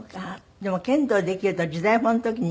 でも剣道できると時代物の時にいいわね。